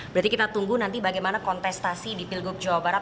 berarti kita tunggu nanti bagaimana kontestasi di pilgub jawa barat